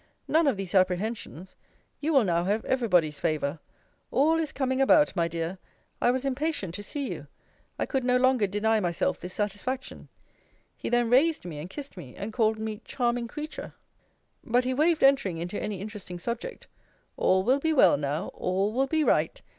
None of these apprehensions. You will now have every body's favour. All is coming about, my dear. I was impatient to see you. I could no longer deny myself this satisfaction. He then raised me, and kissed me, and called me charming creature! But he waved entering into any interesting subject. All will be well now. All will be right!